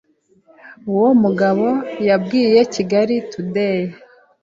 Uwo mugabo yabwiye Kigali Today